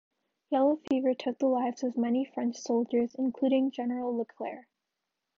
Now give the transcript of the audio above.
Yellow fever took the lives of many of the French soldiers including General Leclerc.